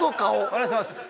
お願いします。